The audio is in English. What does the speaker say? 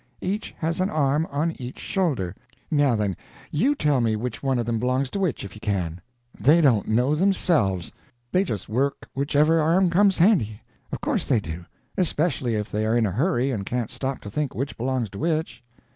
Each has an arm on each shoulder. Now then, you tell me which of them belongs to which, if you can. They don't know, themselves they just work whichever arm comes handy. Of course they do; especially if they are in a hurry and can't stop to think which belongs to which."